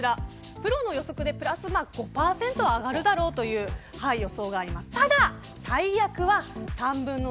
プロの予測でプラス５％上がるだろうという予想があります。